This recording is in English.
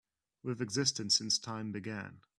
We've existed since time began.